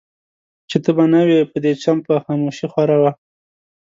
چي ته به نه وې په دې چم به خاموشي خوره وه